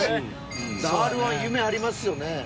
Ｒ−１夢ありますよね。